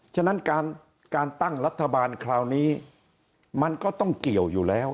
ฉะนั้นการตั้งรัฐบาลคราวนี้มันก็ต้องเกี่ยวอยู่แล้ว